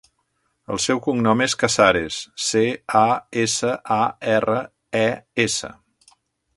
El seu cognom és Casares: ce, a, essa, a, erra, e, essa.